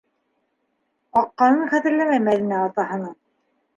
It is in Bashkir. Ҡаҡҡанын хәтерләмәй Мәҙинә атаһының.